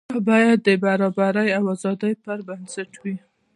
دا باید د برابرۍ او ازادۍ پر بنسټ وي.